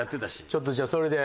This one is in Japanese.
ちょっとじゃあそれで。